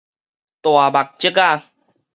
大目側仔